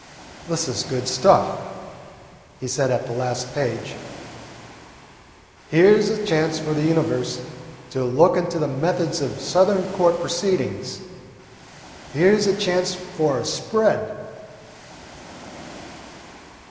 "This is good stuff," he said at the last page. "Here 's a chance for the Universe to look into the methods of Southern court proceedings. Here 's a chance for a spread."